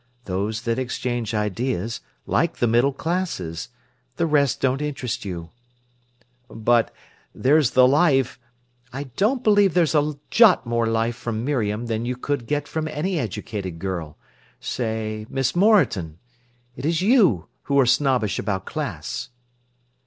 Those that exchange ideas, like the middle classes. The rest don't interest you." "But—there's the life—" "I don't believe there's a jot more life from Miriam than you could get from any educated girl—say Miss Moreton. It is you who are snobbish about class."